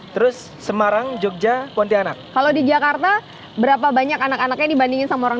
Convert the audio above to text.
terus semarang jogja pontianak kalau di jakarta berapa banyak anak anaknya dibandingin sama orang